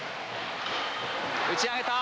打ち上げた。